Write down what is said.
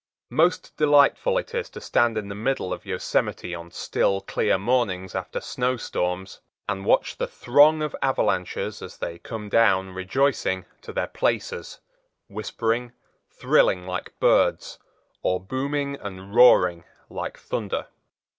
Most delightful it is to stand in the middle of Yosemite on still clear mornings after snow storms and watch the throng of avalanches as they come down, rejoicing, to their places, whispering, thrilling like birds, or booming and roaring like thunder.